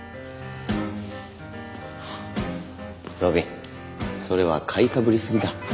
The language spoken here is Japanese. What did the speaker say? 路敏それは買いかぶりすぎだ。